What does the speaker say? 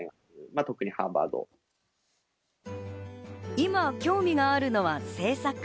今、興味があるのは政策。